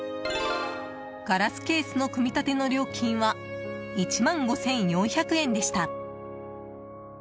ガラスケースの組み立ての料金は１万５４００円でした。